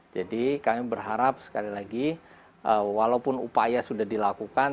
jadi kami berharap sekali lagi walaupun upaya sudah dilakukan